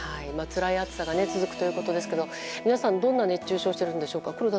つらい暑さが続くということですが皆さん、どんな熱中症対策をしているんでしょうか。